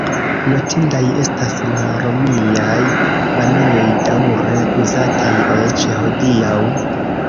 Notindaj estas la romiaj banejoj, daŭre uzataj eĉ hodiaŭ.